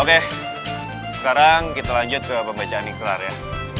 oke sekarang kita lanjut ke pembacaan ikrarnya